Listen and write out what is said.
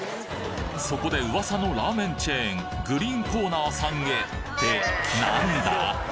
そこで噂のラーメンチェーングリーンコーナーさんへってなんだ！？